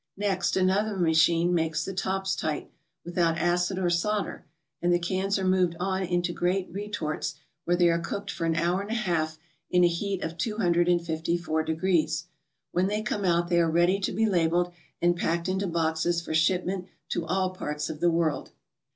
Next another machine makes the tops tight, without acid or solder, and the cans are moved on into great retorts where they are cooked for an hour and a half in a heat of two hundred and fifty four degrees. When they come out they are ready to be labelled and packed into boxes for shipment to all parts of the world.